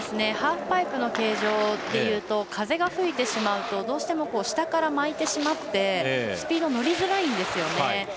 ハーフパイプの形状で言うと風が吹いてしまうとどうしても下から巻いてしまってスピードに乗りづらいんですね。